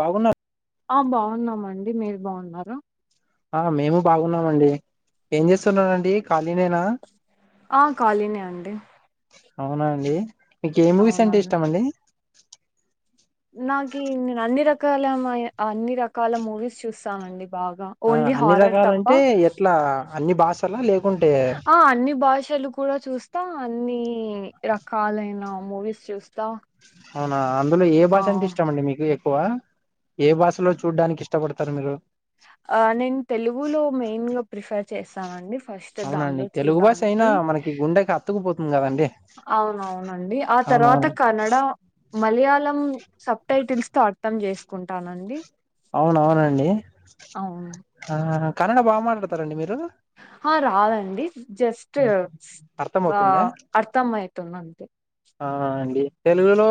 బాగున్నా ఆ బాగున్నామండి మీరు బాగున్నార ఆ మేము బాగున్నామండి ఏం చేస్తున్నారండి ఖాళీనేనా ఆ ఖళనే అండి అవునా అండి మీక ఏ మూవీస్ అంటే ఇష్టం అండి నాగి అన్ని ర రకాల అన్ని రకాల మూవీస్ చూస్తామండి ఆ అన్ని రకాలంటే ఎట్లా అన్ని భాషల లే ఆ అన్ని భాష చలు కూడా చూస్తా అన్ని రకాలైన మూవీస్ చూస్తా అవునా అందులో ఏ ఆ! భాష అంటే ఇష్టంమండి మీకు తక్కువ ఏ భాషలో చూడ్డానికి ఇష్టపడతారు మీరు ఆ నేను తెలుగులో మెయిన్ గా ప్రిఫర్ చేస్తానండి ఫస్ట్ అవునండి దాంట్లో తెలుగు భాష అయినా చూడ్డానికి. మనకి గుండెకి అత్తుకుపోతుంది ఉంగవాను అవును అవునండి ఆ తర్వాత కన్నడ మలయాళ మలం సబ్ టైటిల్స్ తో అర్థం చేసుకుంటానండి అవును అవునండి అవును. ఆ కన్నడ బాగా మాట్లాడుతారండి మీరు ఆ రాదండి జస్ట్ అర్థం బ అవుతుందా అర్థం ఐతుంది అంతే ఆ అండి తెలుగులో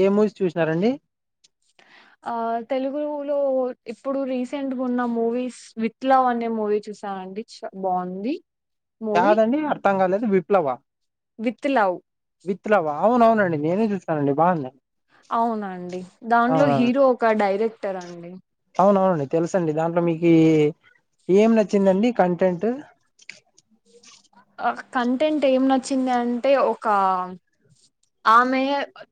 ఏ మూవీస్ చూసినారండి ఆ తెలుగులో ఇప్పుడు రీసెంట్గా ఉన్న మూవీస్ విత్ లావ్ అనే మూవీ చూసానండి చ బాగుంది మూవీ దాదండి అర్థం కాలేదు విప్లవా విత్ లవ్ విత్ లవ్ అవును అవునండి నేనే చూసానండి బాగుంద అవునండి దాంట్లో హీరో ఒక డైరెక్ట్ టర్ అండి అవునవునండి తెలుసు అండి దాంట్లో మీకి ఏం నచ్చిందండి కంటెంట్ కంటెంట్ ఏం నచ్చింది అంటే ఒక ఆమె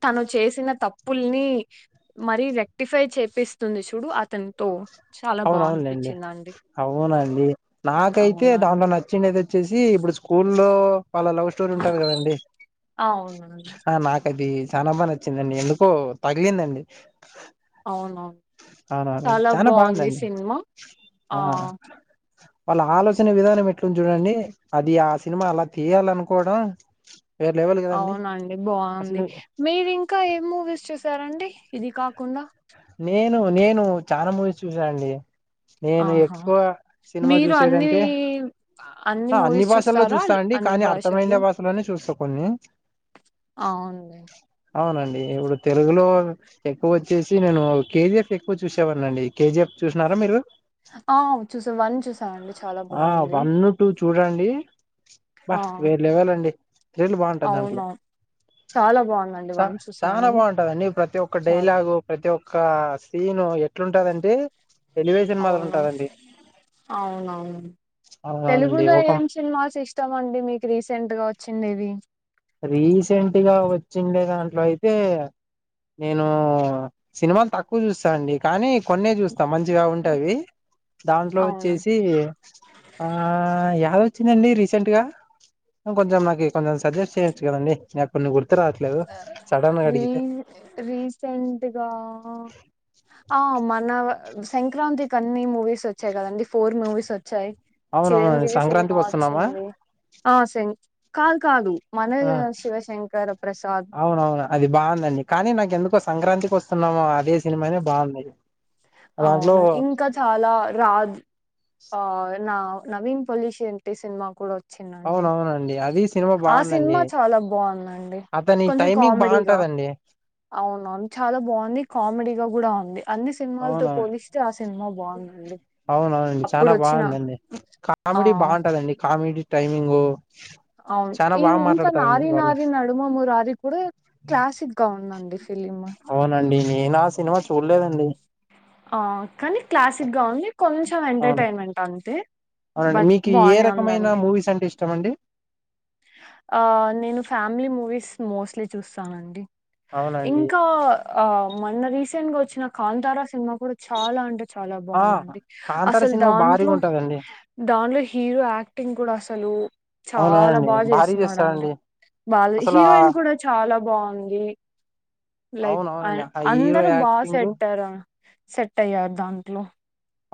తను చేసిన తప్పుల్ని మరీ రెక్టిఫై చేపిస్తుంది చూడు అతనితో చాలా అవును బాగా అవునులేండి అనిపించిందండి అవునండి నాకైతే అవునండి దాట్లో నచ్చింది ఏదైతే అచెసి ఇప్పుడు స్కూల్ లో వాళ్ళ లవ్ స్టోరీ ఉంటంది కదండి అవునండి ఆ నాకది చానా బాగా నచ్చిందండి ఎందుకో తగిలిందండి అవును అవునవునండి చాలా చానా బాగుంది సి బాగుందండి సినిమా ఆ వాళ్ళ ఆలోచన విధానం ఎట్లు చూడండి అది ఆ సినిమా అలా తీయాలనుకోవడం వేరే లెవెల్ కదండి అవునండి బాగుంది అసలు మీరు ఇంకా ఏ మూవీస్ చేస్ స్తారండీ ఇది కాకుండా ను నేను చాలా మూవీస్ చూసా అండి నేను ఆహా ఎక్కువ సినిమా మీరు అన్ని చూసేదంటే అన్ని మూవీస్ భాషల్లో చూస్తారా చూస్తా అండి అన్ని కానీ భాషలు అర్థమైన భాషలోనే చూస్తాము కొన్ని అవునే అవునండి ఇప్పుడు తెలుగులో ఎక్కువ వచ్చేసి నేను కేజీఎఫ్ ఎక్కువ చూసేవానండి కేజీఎఫ్ చూసినారా మీరు ఆ చూసా వన్ చూసాను అండి చాలా ఆ బాగుంది వన్ టూ చూడండి బ ఆ వేరే లెవలండి త్రిల్ బాగుంటది దాంట్లో. అవునవును చాలా బాగుందండి చ వన్ చాలా చూసాను బాగుంటదండి ప్రతి ఒక్క చాలా డైలాగు. అతే ఒక్క సీను ఎట్ అవును ఉంటదండి అవునవును అవునవునండి తెలుగులో ఒక ఏం సినిమాస్ ఇష్టం అండి మీకు రీసెంట్ గా వచ్చిండేవి. రీసెంట్ గా వచ్చిండే దాంట్లో అయితే నేను సినిమాలు తక్కువ చూస్తా అండి. కానీ కొన్నే చూస్తా. మంచిగా ఉంటే అవి దాంట్లో అవును వచ్చేసి ఆ యాదో వచ్చిందండి రీసెంట్ గా కొంచెం నాకి కొంచెం సజెస్ట్ చేయచ్చు కద అండి నా కొన్ని రావట్లేదు సడన్ గా రీ అడిగితే రీసెంట్గా ఆ మన సంక్రాంతికి అన్ని మూవీస్ వచ్చాయి. కదండి ఫోర్ మూవీస్ వచ్చాయి. అవునవునండి చిరంజీవి సినిమా సంక్రాంతికి వస్తున్నామా వచ్చింది ఆ కాదు కాదు మన ఆ శివశంకర ప్రసాద్ అవునవును అది బాగుందండి కానీ నాకు ఎందుకో స్ సంక్రాంతికి వస్తున్నాము అదే సినిమానే బాగుంది దాంట్లో అవును ఇంకా చాలా రాజ్ ఆ నా నవీన్ పొల్యూషన్ ఏంటి సినిమా కూడా వచ్ అవునవునండి అది సినిమా బాగుందండి సినిమా చాలా బాగుందండి అతని కొంచెం టైమింగ్ కామెడీగా బాగుంటదండి అవునవును చాలా బాగుంది కామెడీ గా కూడా ఉంది. అన్ని సినిమాలతో అవునవును పోలిస్తే ఆ సిన్ అవునవునండి చాలా అప్పుడు వచ్చిన బాగుందండి. కామెడీ ఆ బాగుంటందండి కామెడీ టైమింగ్ అవును ఈ ఇంకా నారీ వాళ్ళు నారీ నడుమ మురారి కూడా క్లాసిక్ గా ఉందండి ఫిలిమ్. నేనా సినిమా చూడలేదండి ఆ కానీ క్లాసిక్ గా ఉంది కొంచెం అవును ఎంటర్టైన్మెంట్ అంతే అవునండి బట్ మీకు ఏ బానే రకమైన మూవీస్ అంటే ఇష్టం. ఇష్టమండి ఆ నేను ఫ్యామిలీ మూవీస్ మోస్ట్లీ చూస్తానండి. అవునండి ఇంకా ఆ మొన్న రీసెంట్ గా వచ్చిన కాంతారా సినిమా కూడా చాలా అంటే చాలా ఆ బాగుందండి. కాంతార అసలు సినిమా భారీగా దాంట్లో ఉంటదండి దాంట్లో హీరో యాక్టింగ్ కూడా అసలు చాలా అవునవునండి భారీ స్తున్నాడు చేస్తారండి బా అసలు ఆ హీరోయిన్ కూడా చ చాలా బాగుంది లైక్ అవునవునండి ఆ హీరో అందరు బాగా యాక్టింగ్ సెట్ అయ్యారు సెట్ అయ్యారు దాంట్లో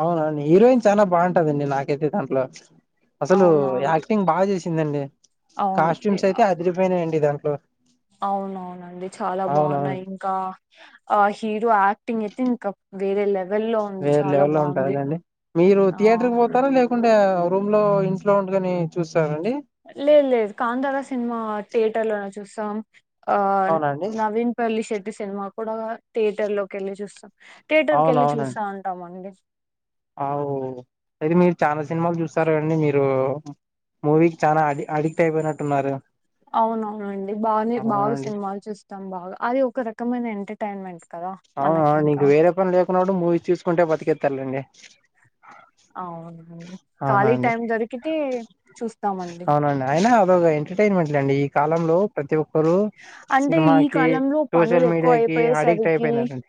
అవునండి హీరోయిన్ చాలా బాగుంటదండి నాకైతే దాంట్లో అసలు అవునవును ఆయాక్టింగ్ బాగా చే చ్చిందండి అవును ఇ- కాస్ట్యూమ్స్ అయితే అదిరిపోయినాయండి దాంట్లో అవునవునండి చాలా అవునవును బాగున్నాయి ఇంకా ఆ హీరో యాక్టింగ్ అయితే ఇంకా వేరే లెవెల్లో ఉంది వేరే చాలా లెవెల్ లో బాగుంది ఉంటారుండి మీరు ఆ థియేటర్కి పోతారా లేకుంటే రూమ్ లో ఇంట్లో ఉండగాని చూస్త లేదు లేదు కాంతారా సినిమా థియేటర్ లోనే చూస్త తమ్ అ అవునా అండి నవీన్ పల్లి శెట్ టే సినిమా కూడా థియేటర్ లోకి వెళ్ళి చూస్తాం థియేటర్ కి వెళ్ళి చూస్తా ఉంటాం అండి అవును ఇది మీరు చాలా సినిమాలు చూస్తారు అండి మీ రు మూవీకి చానా అ అడిక్ట్ అయిపోయినట్టున్నారు అవునవునండి బానే బాగా అవునండి సినిమాలు చూస్తాం బాగా అది ఒక రకమైన ఎం టటైన్మెంట్ అవునవును నీకు వేరే పని లేకున్న కూడ మూవీస్ చూసుకుంట బతికెత్తార్లేండి అవును అవునాండి చూస్తామండి అవునండి అయినా అదొక ఎంటర్టైన్మెంట్ లేండి ఈ కాలంలో ప్రతి ఒ అంటే ఈ కాలంలో పనులు సోషల్ ఎక్కువ మీడియాకి అడిక్ట్ అయిపోయేసరికి అయిపోయినారండి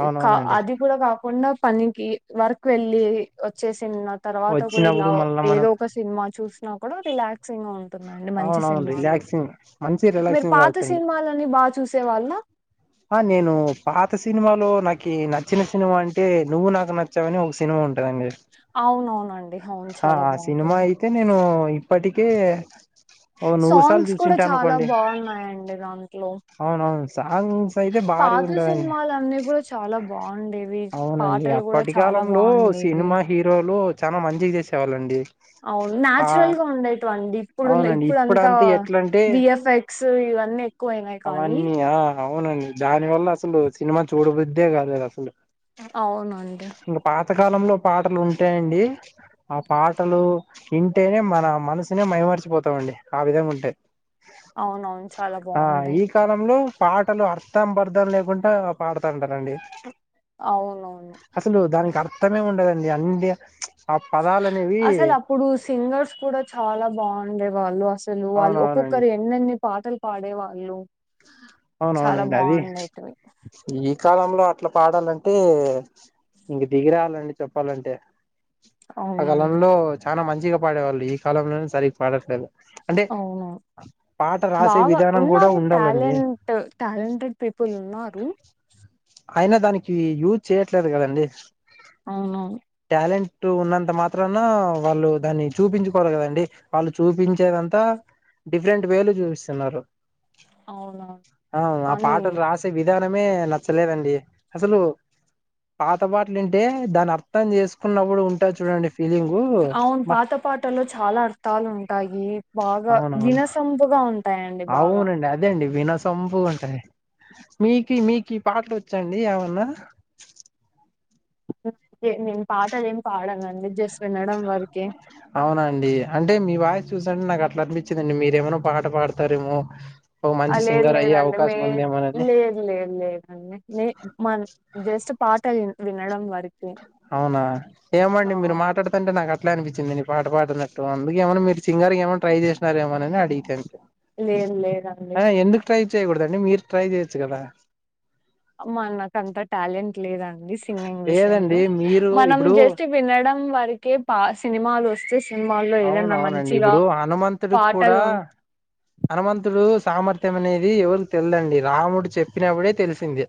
ఇ క అవునవునండి అది కూడా కాకుండా పనికి వర్క్ వెళ్ళి వచ్చేసి నా తర్వాత కూడా ఇలా వచ్చినప్పుడు మళ్ళా మనం ఏదో ఒక సినిమా చూస్తు న్నాప్పుడు రిలాక్సింగ్ గా ఉం అవునవును రిలాక్సింగ్ మంచి మీరు రిలాక్సింగ్ పాత కావచ్చండి సినిమాలన్నీ బాగా చూసేవాళ్ళా ఆ నేను పాత సినిమాలో నాకి నచ్చిన సినిమా అంటే నువ్వు నాకు నచ్చావని ఒక సినిమా ఉం టదండి అవునవునండి అవును అ చాలా ఆ సినిమా బాగుంటుంది అయితే నేను ఇ ప్పటికే సాంగ్స్ కూడా చాలా బాగున్నాయండి దాంట్లో అవునవును సాంగ్స్ అయితే భారీగా పాత ఉంటదండి సినిమాలన్నీ కూడా చాలా బాగుండేవి అవునండి పాటలు కూడా అప్పటి చాలా కాలంలో బాగుండేవి సినిమా హీరోలు చానా మంచిగా చేసేవాళ్ళండి అవును ఆ నాచురల్ గా ఉండేటువండి ఇప్పుడు అవునండి ఇప్పుడు అంతా ఇప్పుడంతా ఎట్లంటే విఎఫ్ఎక్స్ ఇవన్నీ ఎక్కువయినాయి కానీ అవన్నీ యా అవునండి దాని వల్ల అసలు సినిమా చూడబుద్దే కాలేదు అసలు అవును అండి పాత కాలంలో పాటలు ఉంటాయండి. ఆ పాటలు వింటేనే మన మనసునే మైమర్చిపోతామండి ఆ విధంగా ఉంటాయి. అవునవును చాలా బావుంటాయి. లంలో పాటలు అర్థం పర్ధం లేకుండా పాడతంటరండి అవునవును అసలు దానికి అర్థమే ఉండదండి అన్నీ ప్చ్ అసలు అప్పుడు సింగర్స్ కూడా చాలా బావుండేవాళ్ళు అసలు వాళ్ళు అవునవునండి ఒక్కొక్కరు ఎన్నెన్ని పాటలు పాడే వాళ్ళు చాలా అవునవునండి అది బాగుండేటివి ఈ కాలంలో అట్లా పాడాలంటే ఇంక దిగి రావాలండి చెప్పాలంటే ఆ అవునండి కలంలో చాలా మంచిగా పాడేవాళ్ళు ఈ కాలంలోనే సరిగ్గా పాడట్లేదు. అంటే అవును పాట రాసే బాగా విధానం కూడా ఉన్నారు ఉండాలండి. టాలెంట్ టాలెంటెడ్ పీపుల్ ఉన్నారు అయినా దానికి యూజ్ చేయట్లేదు కదండి అవునవును టాలెంట్ ఉన్నంత మాత్రన వాళ్ళు దాన్ని చూపించుకోళ్ల కదండి వాళ్ళు చూపించేదంతా డిఫరెంట్ వేలో చూపిస్తున్నారు అవునవును హు ఆ కానీ పాటలు రాసే విధాన మనమే ల లేదండి అసలు పాతపటలింటే దాన్ని అర్థం చేసుకున్నప్పుడు ఉంటా చూడండి ఫీలింగు అవును బా పాత పాటలో చాలా అర్థాలు ఉన్ ఉంటాయి బాగా అవునవును వినసంపుగా ఉ అవునండి అదండి వినసొంపుుగ వుంటాయండీ మీకి మీకి పాటలోచాండి ఏమన్నా హమ్ నేను పాటలేమి పాడనండి జస్ట్ వినడం వరకే. అవునండీ అంటే మీ వాయిస్ చూస్అంటే నాకు అట్లా అట్లా అనిపించిందండి మీరేమో పాట పాడతారేమో ఒక మంచి లేదు సింగర్ అయ్యే లేదండి మే అవకాశం ఉందేమోనని లేదు లేదు లేదండి నే మ జస్ట్ పాట వి వినడం వరి అవునా ఏమండి మీరు మాతడ్తంటే నాకు అట్లే అనిపించిందిండి పాట పాడుతునట్టు అందుకే ఏమన్నా మీరు సింగర్కిగాయమైన ట్రై చేసినార ఏమో అని అడిగితే లేదు లేద అండి ఆ! ఎందుకు చేయకూడద అండి మీరు ట్రై చేయొచ్చు కదా అమ్మా నాక అంత టాలెంట్ లేదా యిది సింగింగ్ విషయంలో లేదండి మీరు మనం ఇప్పుడు జస్ట్ వినడం వరకే పా సినిమాలు వస్ అవునవునండీ ఇప్పుడు హనుమంతుడికి కూడా పాటలు ఉన్- హనుమంతుడు సామర్థ్యం అనేది ఎవరకుతెల్దండి రాముడు చెప్పినప్పుడే తెలిసింది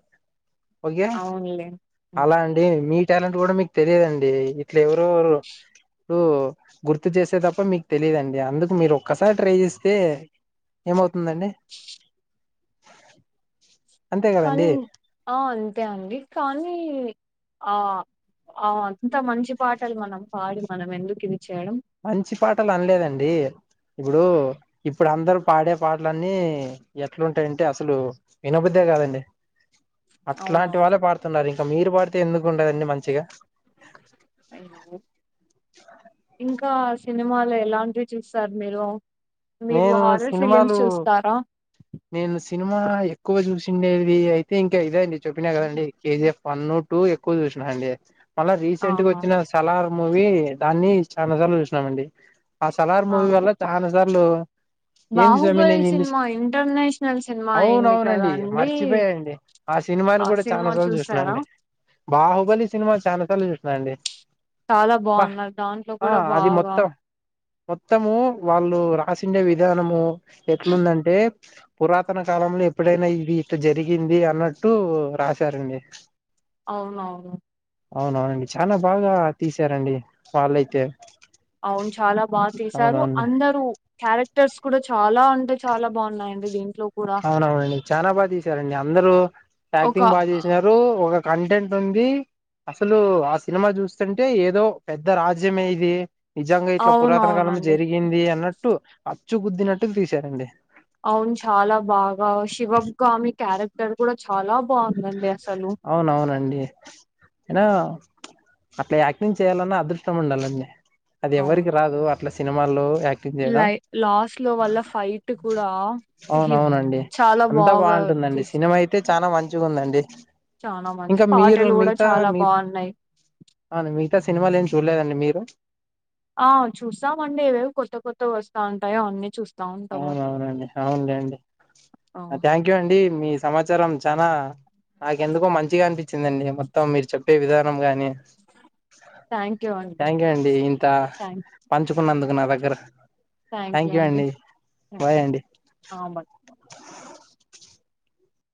ఓకే అవునులే. అలా అండి మీ మీ టాలెంట్ కూడా మీకు తెలియదండి ఇట్ల ఎవరొకరు ఇప్పు గుర్తు చేసే తప్ప మీకు తెలియదుండి, అందుకు మీరు ఒక్కసారి ట్రై చేస్తే ఏమవుతుందండి. అంతే కదండి కానీ ఆ అంతే అండి కానీ ఆ ఆ అంత మంచి పాటలు మనం పాడి మనం ఎందుకు ఇ మంచి పాటలు అనలేదండి ఇప్పుడు, ఇప్పుడు అందరు పాడే పాటలన్నీ ఎట్లుంటాయంటే అసలు, వినబద్దే కాదండి అట్లాంటి అవునవును వాళ్ళే పాడుతున్నారు ఇంకా మీరు పడితే ఎందుకు ఉండదండి మంచిగా ఇంకా సినిమాలు ఎలాంటివి చూస్తారు మీరు మీరు నేను హారర్ సినిమాలు ఫిలిమ్స్ చూస్తారా నేను సినిమా ఎక్కువ చూసిండేది అయితే ఇంకా ఇదే అండి చెప్పినా కదండి కేజీఎఫ్ వన్ టు ఎక్కువ చూసినాండి మళ్ళా రీసెంట్ గా ఆహా వచ్చిన సలార్ మూవీ దాన్ని చాలాసార్లు చూసినాంమండి ఆ సలార్ ఆ మూవీ వాళ్ళ చాలా సరాళ్ళు హలో ఏంది స్వామి బాహుబలి నేను ఇంది సినిమా ఇంటర్నేషనల్ సినిమా అయింది కదా అవునవునండి అండి మర్చిపోయాండి ఆ సినిమాని ఆ కూడా చాలా సినిమా సార్లు చూసారా చూసాండి బాహుబలి సినిమా చాలా క చూసన్నాండి చాలా బాగున్నారు దాంట్లో ఆ కూడా అది బాగా మొత్తం మొత్తము వాళ్ళు కాసి విధానము ఎట్లుందంటే పురాతన కాలంలో ఎప్పుడైనా ఇది ఇటు జరిగింది అన్నట్టు రాశారండి అవునవును అవునా అండి చాలా బాగా తీసారండి వాళ్ళయితే అవును చాలా బాగా తీసారు అందరుూ క్యారెక్ట టర్స్ కూడా చాలా అంటే చాలా బాగున్నాయియండి దీ అవునవునండి చాలా బాగా తీసారండి అందరుూ ఒక యాక్టింగ్ బాగా చేసినారు ఒక కంటెంట్ ఉంది అసలు ఆ సినిమా చూస్తుంటే ఏదో పెద్ద రాజ్యమే ఇది నిజంగా ఇట్లా పురాతన కాలం అవునవునండి. జరిగింది అన్న టు అచ్చు కుద్దినట్టు తీసారండి అవును చాలా బాగా శివగామి క్యారెక్టర్ కూడా చాలా బావుందండి అసలు. అవునవునండి అయినా అట్లా యాక్టింగ్ చేయాలన్న అదృష్టం ఉండాలి అండి అది అవును. ఎవ్వరికి రాదు ట్లా సినిమాల్లో యాక్టింగ్ చేయడం లై లాస్ట్ లో వల్ల ఫైట్ కూడా హ అవునవునండి చాలా అంతా బాగా తిస అండి ఇంకా మీరు కూడా మిగతా చాలా మీరు బావున్నాయి. అవును మిగతా సినిమాలు ఏం చూడలే ఎక్కడ అండి మీరు. ఆ చూస్తామండి ఏవేవి కొత్త కొత్త వస్తా ఉంటాయో అన్ని చూస్తా. ఉంటాము. అవును అవును అండి అవునలే అండి ఆ! థ్యాంక్ యూ అండి మీ సమాచారం చానా నాకెందుకో మంచిగా అనిపించిందండి మొత్తం మీరు చెప్పే విధానం కాని. థ్యాంక్ యూ అండి. థ్యాంక్ అండి ఇంత పంచు. మందుకు నాదెగర. థాంక్ యు అండి. థాంక్ బేయ్ అండి ఆ! బై.